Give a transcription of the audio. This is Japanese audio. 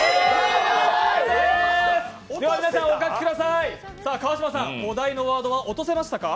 では皆さん、お書きください川島さん、お題のワードは落とせましたか？